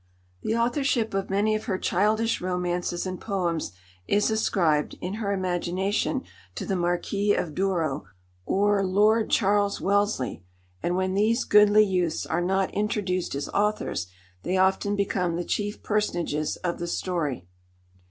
The authorship of many of her childish romances and poems is ascribed, in her imagination, to the Marquis of Douro, or Lord Charles Wellesley; and when these "goodly youths" are not introduced as authors they often become the chief personages of the story.